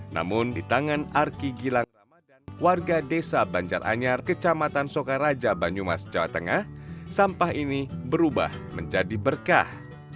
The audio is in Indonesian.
namun di tangan arki gilang warga desa banjaranyar kecamatan sokaraja banyumas jawa tengah sampah ini berubah menjadi berkah